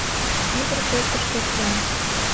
Ӱдыр пӧртышкӧ пура: